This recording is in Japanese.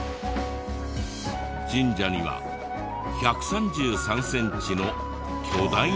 神社には１３３センチの巨大なおみくじも。